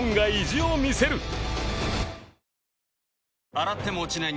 洗っても落ちない